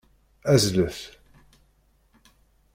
Azzlet.